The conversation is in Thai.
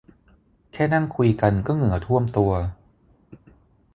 แค่นั่งคุยกันก็เหงื่อท่วมตัว